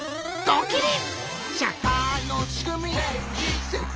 ドキリ！